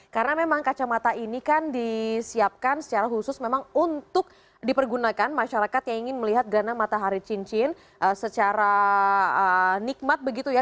karena memang kacamata ini kan disiapkan secara khusus memang untuk dipergunakan masyarakat yang ingin melihat gerhana matahari cincin secara nikmat begitu ya